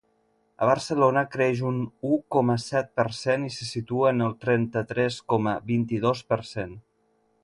A Barcelona, creix un u coma set per cent i se situa en el trenta-tres coma vint-i-dos per cent.